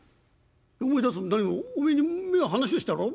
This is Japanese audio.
「思い出すも何もおめえに夢の話をしたろ？